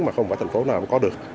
mà không phải thành phố nào cũng có được